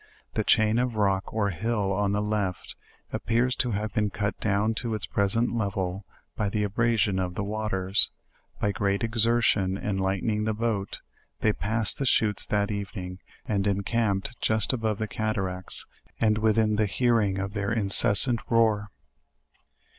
The chain of rock or hill on the left, appears to have been cut down to its present level by the abrasion of the waters. By great exertion and lighten ing the boat, they passed the Chuttes that evening, and en camped just above the cataracts, and within the hearing of their incessant roar.